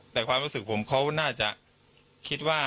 แต่ความรู้สึกผมเขาน่าจะคิดว่า